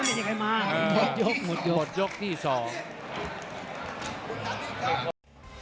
ต้องออกครับอาวุธต้องขยันด้วย